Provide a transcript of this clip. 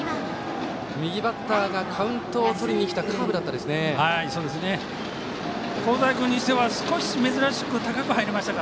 右バッターがカウントをとりにきたカーブでした。